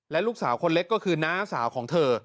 ลูกสาวคนเล็กก็คือน้าสาวของเธอ